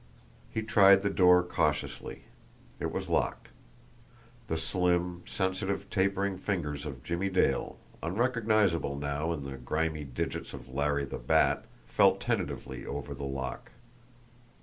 He tried the door cautiously. It was locked. The slim, sensitive, tapering fingers of Jimmie Dale, unrecognisable now in the grimy digits of Larry the Bat, felt tentatively over the lock.